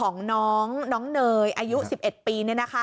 น้องเนยอายุ๑๑ปีนี่นะคะ